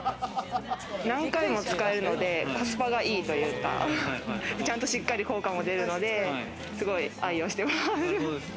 何回も使えるのでコスパがいいというか、ちゃんとしっかり効果も出るので愛用してます。